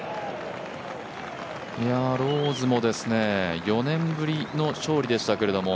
ローズも４年ぶりの勝利でしたけれども。